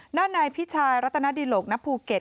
หน้านายพี่ชายรัฐนดีโหลกณภูเก็ต